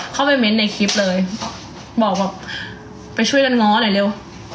เข้าไปเม้นต์ในคลิปเลยบอกแบบไปช่วยกันง้อหน่อยเร็ว